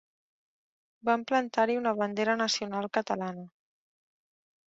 Van plantar-hi una bandera nacional catalana